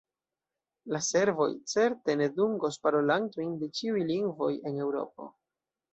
La servoj certe ne dungos parolantojn de ĉiuj lingvoj en Eŭropo.